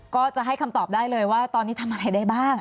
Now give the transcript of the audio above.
ก็จะให้คำตอบได้เลยว่าตอนนี้ทำอะไรได้บ้าง